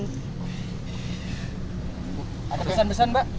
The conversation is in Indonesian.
kondisi ibu sekarang masih down belum bisa ketemu siapapun